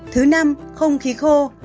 thứ năm không khí khô